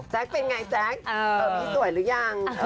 เป็นไงแจ๊คพี่สวยหรือยัง